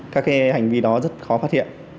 các hành vi đó rất khó phát hiện